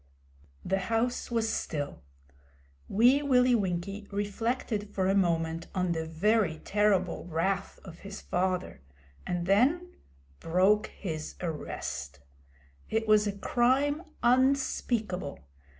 The house was still. Wee Willie Winkie reflected for a moment on the very terrible wrath of his father; and then broke his arrest! It was a crime unspeakable.